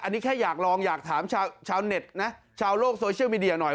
อันนี้แค่อยากลองอยากถามชาวเน็ตนะชาวโลกโซเชียลมีเดียหน่อย